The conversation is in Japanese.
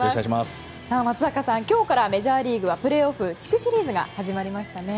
松坂さん、今日からメジャーリーグはプレーオフの地区シリーズが始まりましたね。